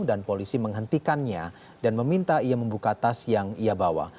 dan polisi menghentikannya dan meminta ia membuka tas yang ia bawa